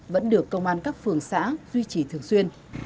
vẫn được công an các phường xã duy trì thường xuyên